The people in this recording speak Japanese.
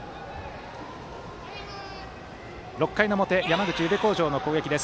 ６回の表、山口・宇部鴻城の攻撃。